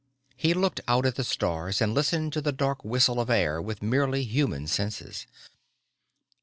He looked out at the stars and listened to the dark whistle of air with merely human senses.